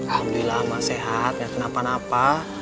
alhamdulillah emak sehat gak kenapa napa